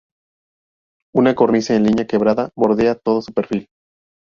Una cornisa en línea quebrada bordea todo su perfil.